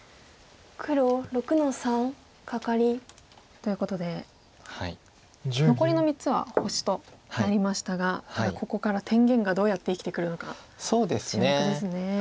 ということで残りの３つは星となりましたがただここから天元がどうやって生きてくるのか注目ですね。